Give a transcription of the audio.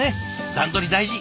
段取り大事。